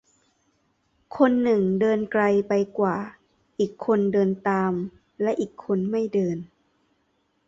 "คนหนึ่งเดินไกลไปกว่า อีกคนเดินตาม และอีกคนไม่เดิน"